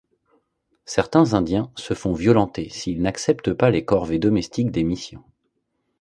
Certains Indiens se font violenter s'ils n'acceptent pas les corvées domestiques des missions.